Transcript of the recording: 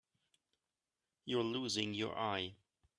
You're losing your eye.